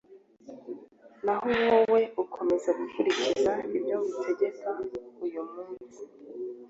naho wowe ukomeze gukurikiza ibyo ngutegeka uyu munsi